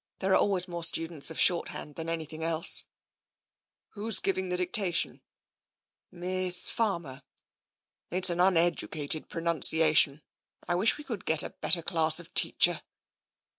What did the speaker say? '* There are always more students of short hand than anything else." "Who's giving the dictation?" " Miss Farmer." " It's an uneducated pronunciation. I wish we could get a better class of teacher."